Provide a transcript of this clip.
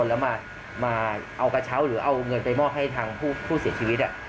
แล้วมาเอากระเช้าหรือเอาเงินไปมอบให้ทางผู้เสียชีวิต